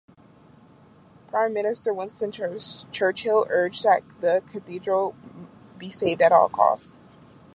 Prime Minister Winston Churchill urged that the Cathedral be saved at all costs.